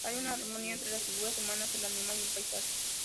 Hay una armonía entre las figuras humanas, el animal y el paisaje.